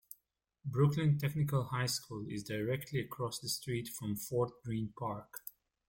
Brooklyn Technical High School is directly across the street from Fort Greene Park.